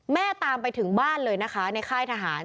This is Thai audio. ตามไปถึงบ้านเลยนะคะในค่ายทหาร